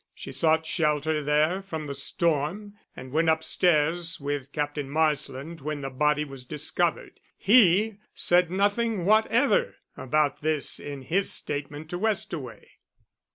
"She sought shelter there from the storm and went upstairs with Captain Marsland when the body was discovered. He said nothing whatever about this in his statement to Westaway."